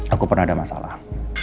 aku pernah ada masalah